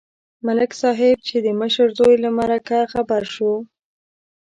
ملک صاحب چې د مشر زوی له مرګه خبر شو.